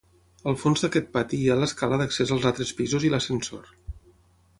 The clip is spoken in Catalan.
Al fons d'aquest pati hi ha l'escala d'accés als altres pisos i l'ascensor.